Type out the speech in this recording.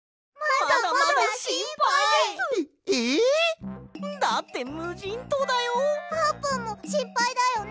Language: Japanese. あーぷんもしんぱいだよね？